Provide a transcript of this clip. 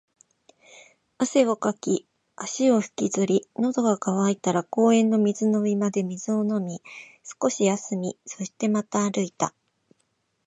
汗をかき、足を引きずり、喉が渇いたら公園の水飲み場で水を飲み、少し休み、そしてまた歩いた